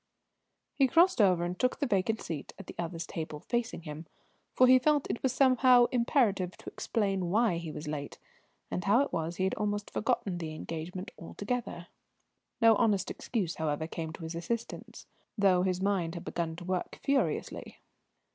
He crossed over and took the vacant seat at the other's table, facing him; for he felt it was somehow imperative to explain why he was late, and how it was he had almost forgotten the engagement altogether. No honest excuse, however, came to his assistance, though his mind had begun to work furiously.